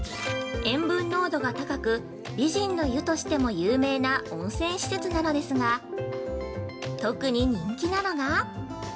塩分濃度が高く、美人の湯としても有名な温泉施設なのですが特に人気なのが？